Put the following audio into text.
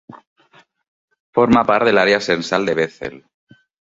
Forma part de l'àrea censal de Bethel.